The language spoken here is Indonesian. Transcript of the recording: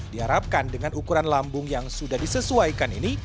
diharapkan dengan ukuran lambung yang sudah disesuaikan ini